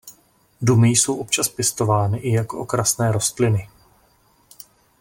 Dumy jsou občas pěstovány i jako okrasné rostliny.